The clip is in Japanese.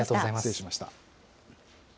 失礼しました。